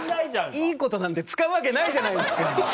いいことなんて使うわけないじゃないですか。